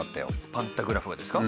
パンタグラフがですか？